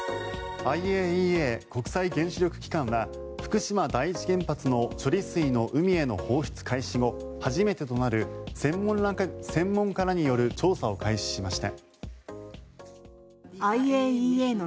ＩＡＥＡ・国際原子力機関は福島第一原発の処理水の海への放出開始後初めてとなる専門家らによる調査を開始しました。